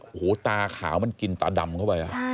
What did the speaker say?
โอ้โหตาขาวมันกินตาดำเข้าไป